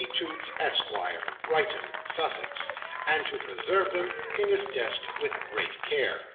Toots, Esquire, Brighton, Sussex," and to preserve them in his desk with great care.